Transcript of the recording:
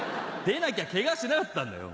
出なきゃケガしなかったんだよ。